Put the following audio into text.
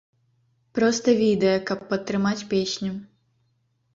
Проста відэа, каб падтрымаць песню.